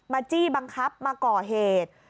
จี้บังคับมาก่อเหตุ